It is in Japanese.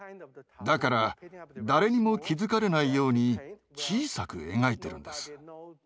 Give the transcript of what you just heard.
だから誰にも気付かれないように小さく描いてるんです。